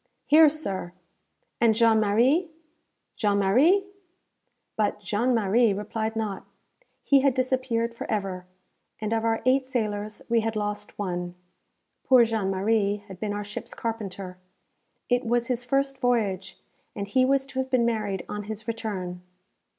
"Here, sir!" "And Jean Marie? Jean Marie?" But Jean Marie replied not. He had disappeared for ever, and of our eight sailors we had lost one. Poor Jean Marie had been our ship's carpenter. It was his first voyage, and he was to have been married on his return.